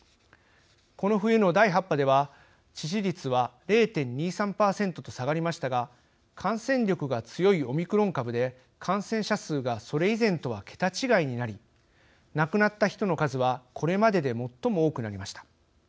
この冬の第８波では致死率は０．２３％と下がりましたが感染力が強いオミクロン株で感染者数がそれ以前とは桁違いになり亡くなった人の数はこれまでで最も多くなりました。